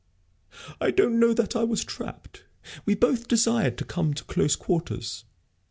"I don't know that I was trapped. We both desired to come to close quarters.